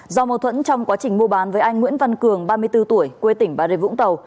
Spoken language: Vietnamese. do mâu thuẫn trong quá trình mua bán với anh nguyễn văn cường ba mươi bốn tuổi quê tỉnh bà rê vũng tàu